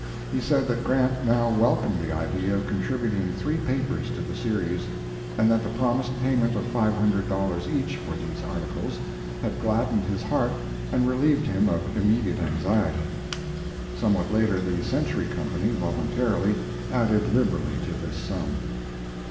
He said that Grant now welcomed the idea of contributing three papers to the series, and that the promised payment of five hundred dollars each for these articles had gladdened his heart and relieved him of immediate anxiety. [Somewhat later the Century Company, voluntarily, added liberally to this sum.